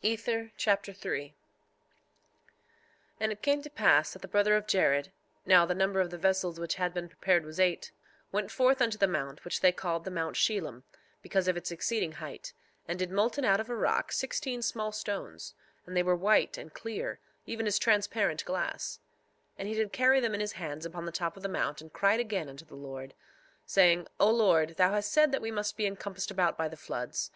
Ether Chapter 3 3:1 And it came to pass that the brother of Jared, (now the number of the vessels which had been prepared was eight) went forth unto the mount, which they called the mount Shelem, because of its exceeding height, and did molten out of a rock sixteen small stones; and they were white and clear, even as transparent glass; and he did carry them in his hands upon the top of the mount, and cried again unto the Lord, saying: 3:2 O Lord, thou hast said that we must be encompassed about by the floods.